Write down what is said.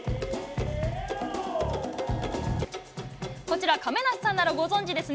こちら、亀梨さんならご存じですね。